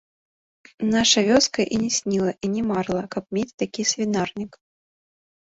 Наша вёска і не сніла, і не марыла, каб мець такі свінарнік.